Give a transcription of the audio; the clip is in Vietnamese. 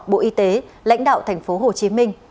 bộ y tế lãnh đạo tp hcm